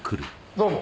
どうも。